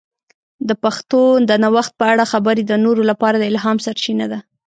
د پښتو د نوښت په اړه خبرې د نورو لپاره د الهام سرچینه ده.